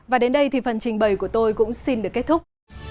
và đến đây thì phần trình bày của tôi cũng xin được kết thúc